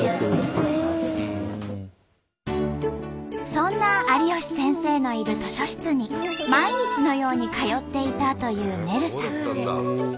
そんな有吉先生のいる図書室に毎日のように通っていたというねるさん。